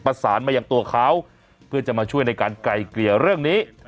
ประสานมาอย่างตัวเขาเพื่อจะมาช่วยในการไกลเกลี่ยเรื่องนี้